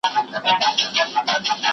نړیوالتوب اقتصادونه سره تړلي دي.